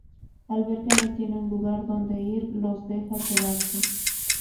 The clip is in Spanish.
Al ver que no tienen un lugar donde ir, los deja quedarse.